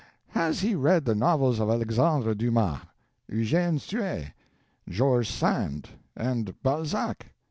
Has he read the novels of Alexandre Dumas, Eugene Sue, George Sand, and Balzac?